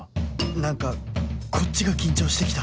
何かこっちが緊張して来た